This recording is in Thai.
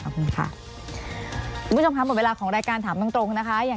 คุณผู้ชมครับหมดเวลาของรายการถามตรงนะคะ